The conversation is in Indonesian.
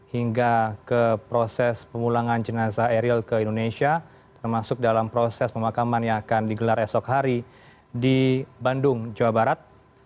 hingga ke proses pemulangan jenazah eril ke indonesia termasuk dalam proses pemakaman yang akan digelar esok hari di bandung jawa barat